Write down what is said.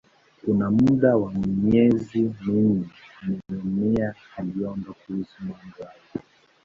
Kwa muda wa miezi minne Nehemia aliomba kuhusu mambo hayo.